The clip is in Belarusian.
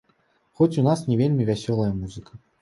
Хоць у нас не вельмі вясёлая музыка.